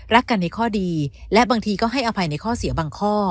รักกันในข้อดีและบางทีก็ให้อภัยในข้อเสียบางข้อ